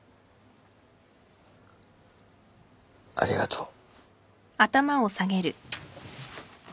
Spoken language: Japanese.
ありがとう。